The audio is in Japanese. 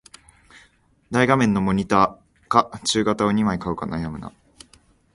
大画面のモニタか中型を二枚買うか悩むな